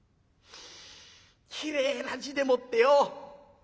きれいな字でもってよ。